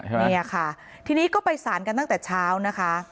เนี่ยค่ะทีนี้ก็ไปสารกันตั้งแต่เช้านะคะ